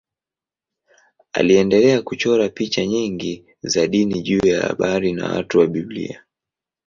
Aliendelea kuchora picha nyingi za dini juu ya habari na watu wa Biblia.